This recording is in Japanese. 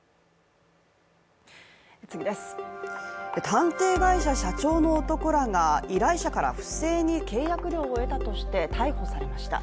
探偵会社社長の男らが、依頼者から不正に契約料を得たとして逮捕されました。